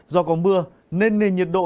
do có mưa nên nền nhiệt độ